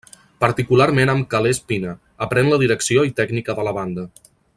Particularment amb Calés Pina, aprèn la direcció i tècnica de la banda.